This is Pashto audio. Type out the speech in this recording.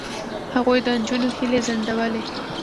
هغوی د نجونو هیلې ځنډولې.